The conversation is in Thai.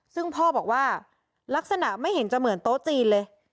ซึ่งพ่อบอกว่าลักษณะไม่เห็นจะเหมือนโต๊ะจีนเลย